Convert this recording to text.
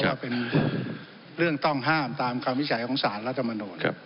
ก็เป็นเรื่องต้องห้ามตามคำวิจัยของสารรัฐมนูล